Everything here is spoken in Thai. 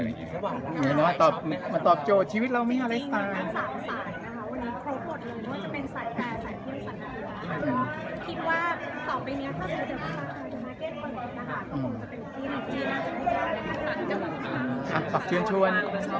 ไม่เหมือนว่ามาตอบโจชน์ชีวิตเรามีอะไรต่าง